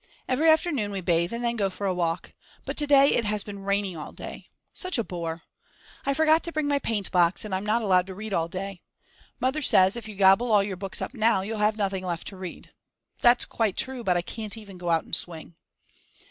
Every afternoon we bathe and then go for a walk. But to day it has been raining all day. Such a bore. I forgot to bring my paint box and I'm not allowed to read all day. Mother says, if you gobble all your books up now you'll have nothing left to read. That's quite true, but I can't even go and swing.